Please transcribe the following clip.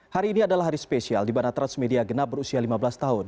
hari ini adalah hari spesial di mana transmedia genap berusia lima belas tahun